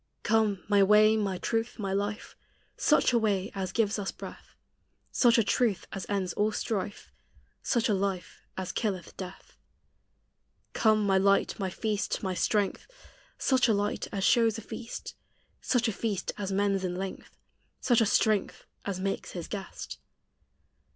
Come, my way, my truth, my life Such a way as gives us breath; Such a truth as ends all strife; Such a life as killeth death. Come my light, my feast, my strength Such a light as shows a feast; Such a feast as mends in length; Such a strength as makes His guest.